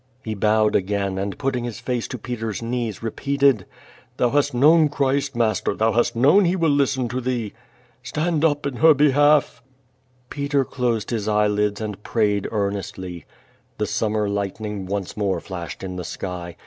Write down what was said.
'^ He bowed again, and put his face to Peter's knees repeated: "Thou hast known Christ, master, thou hast known He will listen to thee. Stand up in her behalf!" QUO VAD18. 391 Peter closed his eyelids and prayed earnestly. The summer lightning once more flashed in the sky.